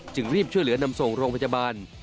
รีบช่วยเหลือนำส่งโรงพยาบาล